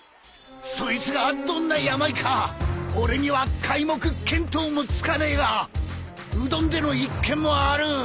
そいつがどんな病か俺には皆目見当もつかねえが兎丼での一件もある。